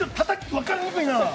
分かりにくいなあ。